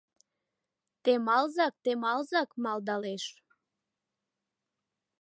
«Темалзак, темалзак» малдалеш.